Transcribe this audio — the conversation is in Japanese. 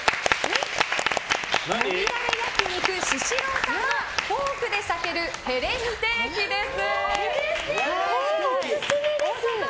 もみだれ焼肉獅子楼さんのフォークで裂けるヘレステーキです。